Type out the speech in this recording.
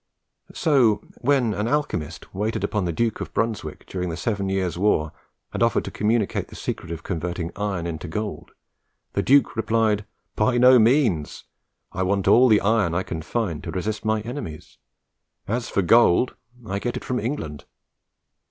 So, when an alchemist waited upon the Duke of Brunswick during the Seven Years' War, and offered to communicate the secret of converting iron into gold, the Duke replied: "By no means: I want all the iron I can find to resist my enemies: as for gold, I get it from England."